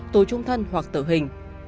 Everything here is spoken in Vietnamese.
tù trung thân hoặc tử hình